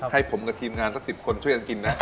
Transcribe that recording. ให้ผมกับทีมงานสัก๑๐คนช่วยกันกินนะ